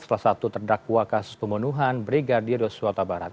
salah satu terdakwa kasus pembunuhan brigadir yosua tabarat